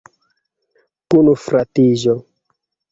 Kunfratiĝo.